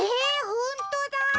ほんとだ。